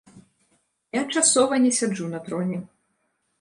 Я часова не сяджу на троне.